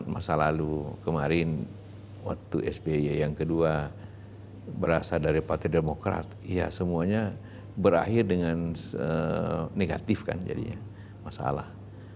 masa lalu kemarin waktu sby yang kedua berasal dari partai demokrat ya semuanya berakhir dengan negatif kan jadinya masalah